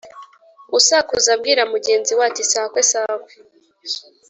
Usakuza abwira mugenzi we ati “sakwe sakwe”!